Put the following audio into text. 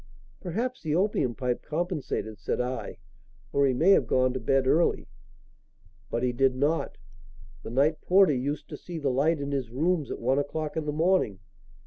"Perhaps the opium pipe compensated," said I; "or he may have gone to bed early." "But he did not. The night porter used to see the light in his rooms at one o'clock in the morning.